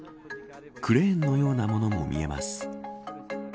クレーンのようなものも見えます。